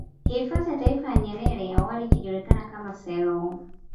Hifadhi ya Taifa ya Nyerere awali ikijulikana kama selou